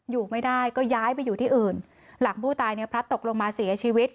อยู่ไม่ได้ก็ย้ายไปอยู่ที่อื่นหลังผู้ตายเนี่ยพลัดตกลงมาเสียชีวิต